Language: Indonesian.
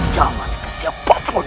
jangan ke siapapun